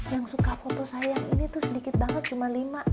yang suka foto saya yang ini tuh sedikit banget cuma lima